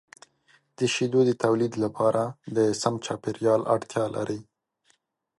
د شیدو د تولید لپاره د سم چاپیریال اړتیا لري.